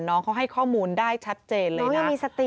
น้องเขาให้ข้อมูลได้ชัดเจนเลยนะ